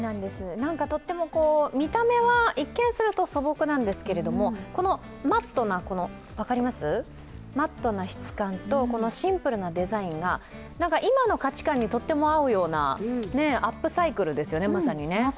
とっても見た目は、一見すると素朴なんですけど、マットな質感と、シンプルなデザインが今の価値観にとっても合うような、まさにアップサイクルですよね。